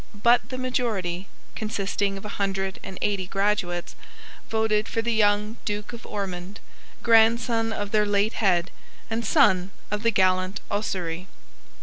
But the majority, consisting of a hundred and eighty graduates, voted for the young Duke of Ormond, grandson of their late head, and son of the gallant Ossory.